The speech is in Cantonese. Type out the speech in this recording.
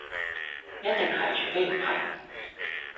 一定係除非唔係